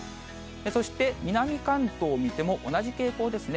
そして、南関東見ても、同じ傾向ですね。